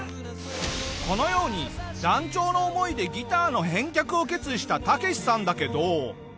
このように断腸の思いでギターの返却を決意したタケシさんだけど。